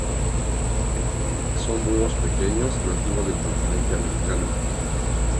Son búhos pequeños, nativos del continente americano.